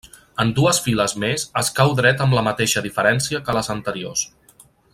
En dues files més es cau dret amb la mateixa diferència que les anteriors.